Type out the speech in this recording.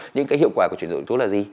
những cái hiệu quả của chuyển đổi số là gì